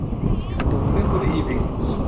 Reka tuvuge kuri ibi.